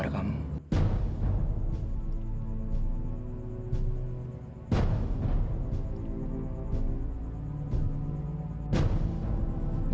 kalau kamu malam sekarang